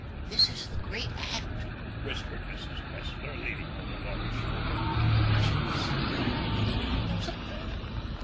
"This is the great act," whispered Mrs. Cressler, leaning over Laura's shoulder. "She is superb later on. Superb."